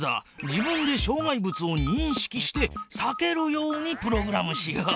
自分でしょう害物をにんしきしてさけるようにプログラムしよう。